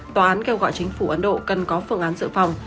tòa án kêu gọi chính phủ ấn độ cần có phương án dự phòng